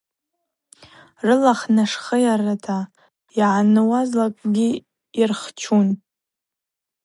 Рылахь нашхыйара гӏанылуазтынгьи йырчхӏун.